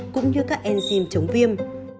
cũng như các enzyme chống viêm